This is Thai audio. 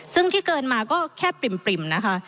ซึ่งที่เกินมาก็แค่ปริ่มนะคะ